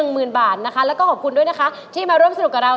หมื่นบาทนะคะแล้วก็ขอบคุณด้วยนะคะที่มาร่วมสนุกกับเรา